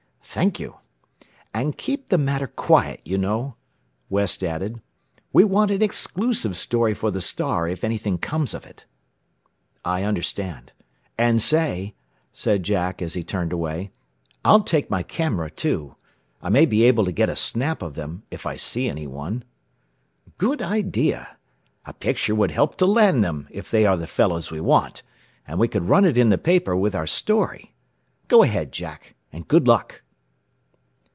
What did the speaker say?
"Thank you. And keep the matter quiet, you know," West added. "We want an exclusive story for the 'Star' if anything comes of it." "I understand. And, say," said Jack as he turned away, "I'll take my camera, too. I may be able to get a snap of them, if I see anyone." "Good idea. A picture would help to land them, if they are the fellows we want; and we could run it in the paper with our story. Go ahead, Jack, and good luck."